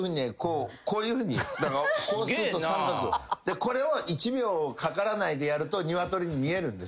これを１秒かからないでやるとニワトリに見えるんです。